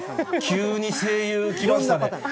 急に声優、きましたね。